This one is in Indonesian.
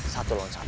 satu lawan satu